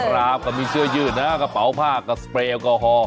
ครับก็มีเสื้อยืดนะกระเป๋าผ้ากับสเปรย์แอลกอฮอล